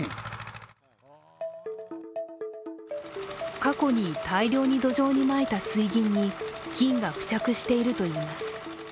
過去に大量に土壌にまいた水銀に金が付着していると言います。